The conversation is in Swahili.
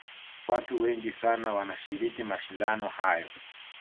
watu wengi sana wanashiriki mashindano hayo